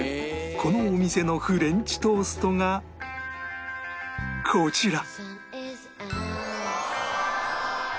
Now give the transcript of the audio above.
このお店のフレンチトーストがこちら